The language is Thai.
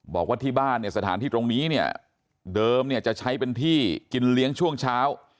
บอกว่าที่บ้านเนี่ยสถานที่ตรงนี้เนี่ยเดิมเนี่ยจะใช้เป็นที่กินเลี้ยงช่วงเช้า